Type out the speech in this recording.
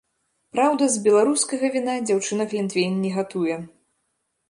Праўда, з беларускага віна дзяўчына глінтвейн не гатуе.